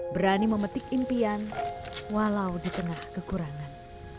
berani memetik impian walau di tengah kekurangan